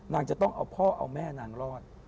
จะต้องเอาพ่อเอาแม่นางรอด